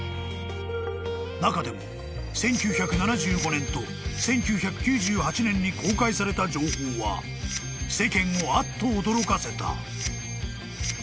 ［中でも１９７５年と１９９８年に公開された情報は世間をあっと驚かせた］